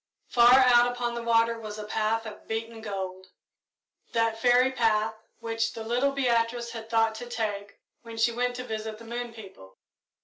Far out upon the water was a path of beaten gold that fairy path which the little Beatrice had thought to take when she went to visit the moon people.